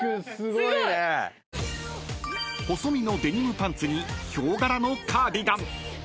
［細身のデニムパンツにヒョウ柄のカーディガン］